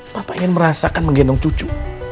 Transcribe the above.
bapak ingin merasakan menggendong cucu